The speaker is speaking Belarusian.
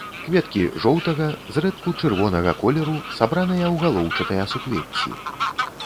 Кветкі жоўтага, зрэдку чырвонага колеру, сабраныя ў галоўчатыя суквецці.